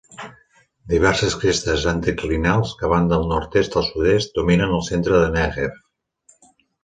Diverses crestes anticlinals que van de nord-est a sud-oest dominen el centre del Negev.